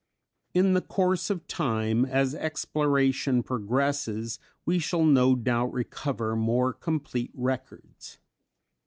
In the course of time, as exploration progresses, we shall no doubt recover more complete records.